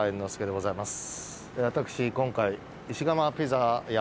私今回。